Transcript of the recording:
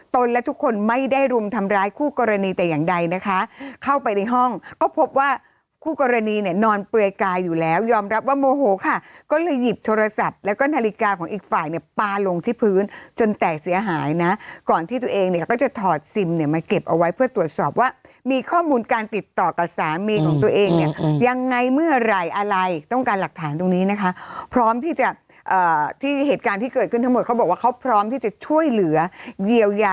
ตนและทุกคนไม่ได้รุมทำร้ายคู่กรณีแต่อย่างใดนะคะเข้าไปในห้องก็พบว่าคู่กรณีเนี่ยนอนเปื่อยกายอยู่แล้วยอมรับว่าโมโหค่ะก็เลยหยิบโทรศัพท์แล้วก็นาฬิกาของอีกฝ่ายเนี่ยปลาลงที่พื้นจนแตกเสียหายนะก่อนที่ตัวเองเนี่ยก็จะถอดซิมเนี่ยมาเก็บเอาไว้เพื่อตรวจสอบว่ามีข้อมูลการติดต่อกับสามีของตั